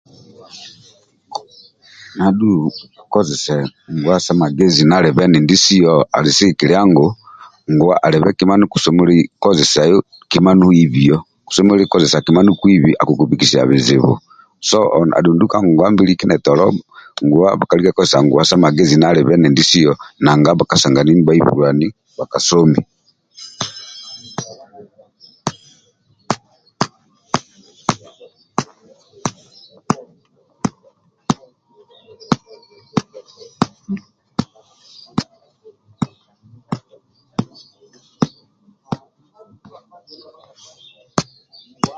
Ndia adhu kozesa nguwa sa magezi ndia alibe endindi siyo ali sigikilia ngu nguwa alibe kima ndio kosemelelu kozesai kima ndiohibiyo kosemelelu kozesa kima ndio koibi akukubikisilia bizibu so adhu ndulu ka ngonguwa mbili kindia etolo nguwa bhakalika kozesa nguwa sa magezi ndia alibe endindi siyo nanga bhakasanganu nibhahibilwani bhakasomi.